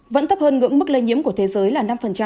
vẫn thấp hơn ngưỡng mức lây nhiễm của thế giới là năm